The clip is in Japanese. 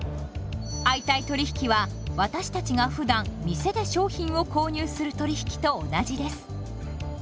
相対取引は私たちがふだん店で商品を購入する取引と同じです。